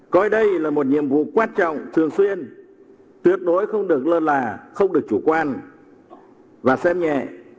coi đây là một nhiệm vụ quan trọng thường xuyên tuyệt đối không được lơ là không được chủ quan và xem nhẹ